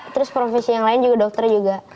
terus profesi yang lain juga dokter juga